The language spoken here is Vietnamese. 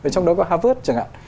trong đó có harvard chẳng hạn